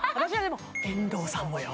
遠藤さんもよ